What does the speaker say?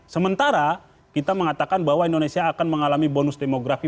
sementara kita mengatakan bahwa indonesia akan mengalami bonus demografi